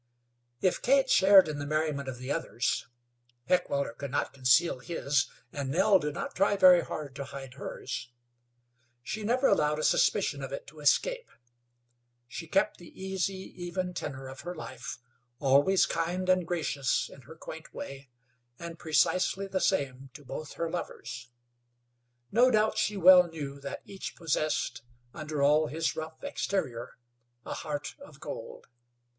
If Kate shared in the merriment of the others Heckewelder could not conceal his, and Nell did not try very hard to hide hers she never allowed a suspicion of it to escape. She kept the easy, even tenor of her life, always kind and gracious in her quaint way, and precisely the same to both her lovers. No doubt she well knew that each possessed, under all his rough exterior, a heart of gold.